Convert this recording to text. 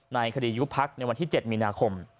ในคดียุบพักในวันที่๗มีนาคม